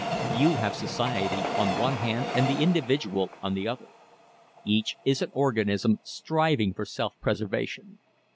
You have society on one hand and the individual on the other: each is an organism striving for self preservation.